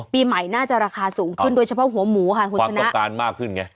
ปีใหม่น่าจะราคาสูงขึ้นโดยเฉพาะหัวหมูค่ะคุณชนะต้องการมากขึ้นไง